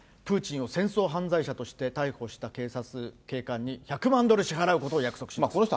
プーチンを戦争犯罪者として逮捕した警察、警官に１００万ドル支払うことを約束します。